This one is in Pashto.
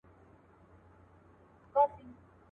چي د مار بچی ملګری څوک په غېږ کي ګرځوینه.